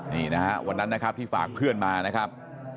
นี่นะฮะวันนั้นนะครับที่ฝากเพื่อนมานะครับ